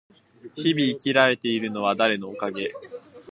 日々生きられているのは誰のおかげ？